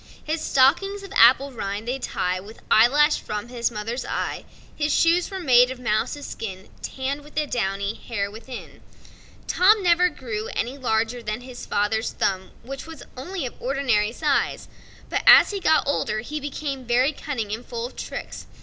His stockings, of apple rind, they tie With eyelash from his mother's eye: His shoes were made of mouse's skin, Tann'd with the downy hair within. Tom never grew any larger than his father's thumb, but as he got older he became very cunning and full of tricks.